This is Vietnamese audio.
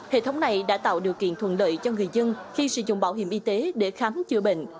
hệ thống này đã tạo điều kiện thuận lợi cho người dân khi sử dụng bảo hiểm y tế để khám chữa bệnh